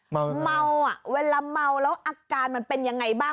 เมาเมาอ่ะเวลาเมาแล้วอาการมันเป็นยังไงบ้าง